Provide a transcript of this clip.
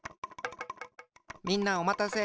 みんなおまたせ。